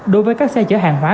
đối với các xe chở hàng hóa